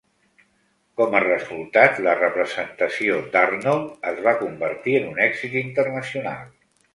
Com a resultat, la representació d'Arnold es va convertir en un èxit internacional.